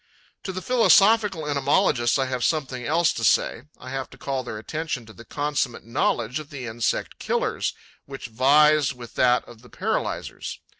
To the philosophical entomologists I have something else to say: I have to call their attention to the consummate knowledge of the insect killers, which vies with that of the paralyzers.